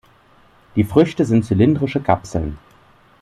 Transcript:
Die Früchte sind zylindrische Kapseln.